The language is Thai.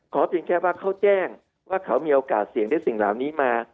เพียงแค่ว่าเขาแจ้งว่าเขามีโอกาสเสี่ยงได้สิ่งเหล่านี้มา